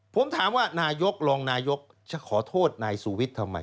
ผมถามว่านายกรองนายกจะขอโทษนายสุวิทย์ทำไม